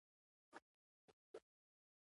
خوراک یې شکرانه ده.